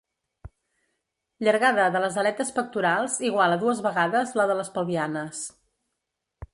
Llargada de les aletes pectorals igual a dues vegades la de les pelvianes.